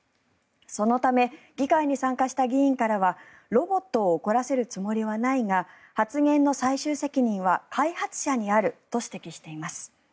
そのため議会に参加した議員からはロボットを怒らせるつもりはないが発言の最終責任は開発者にあると指摘しています。